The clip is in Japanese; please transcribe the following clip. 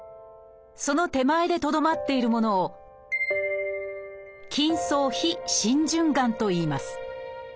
その手前でとどまっているものを「筋層非浸潤がん」といいます